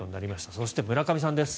そして村上さんです。